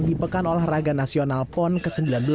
di pekan olahraga nasional pon ke sembilan belas